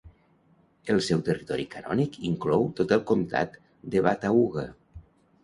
El seu territori canònic inclou tot el comptat de Watauga.